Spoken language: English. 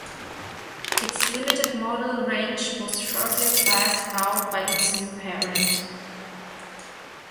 Its limited model range was shortly phased out by its new parent.